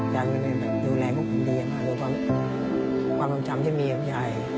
ยายจะเป็นแบบดูแลพวกผมเดียวมาดูความจำที่มีกับยาย